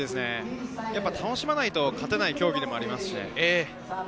楽しまないと勝てない競技でもあります。